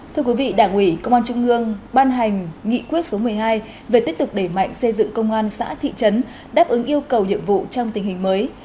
thưa quý vị đảng ủy công an trung ương ban hành nghị quyết số một mươi hai về tiếp tục đẩy mạnh xây dựng công an xã thị trấn đáp ứng yêu cầu nhiệm vụ trong tình hình mới